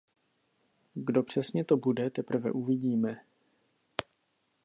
Kdo přesně to bude, teprve uvidíme.